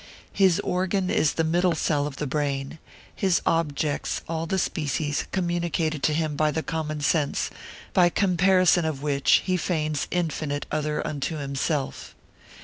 His organ is the middle cell of the brain; his objects all the species communicated to him by the common sense, by comparison of which he feigns infinite other unto himself.